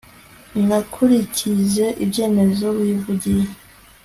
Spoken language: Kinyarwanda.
nzakurikize ibyemezo wivugiye